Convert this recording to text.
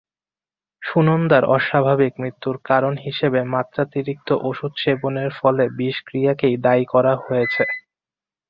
সুনন্দার অস্বাভাবিক মৃত্যুর কারণ হিসেবে মাত্রাতিরিক্ত ওষুধ সেবনের ফলে বিষক্রিয়াকেই দায়ী করা হয়েছে।